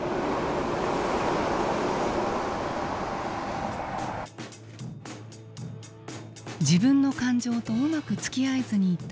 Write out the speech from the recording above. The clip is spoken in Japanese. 自分の感情とうまくつきあえずにいた亀井さんです。